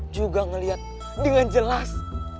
juga ngeliat dengan jelas